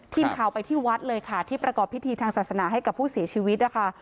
ทีมข่าวไปที่วัดเลยค่ะที่ประกอบพิธีทางศาสนาให้กับผู้เสียชีวิตนะคะ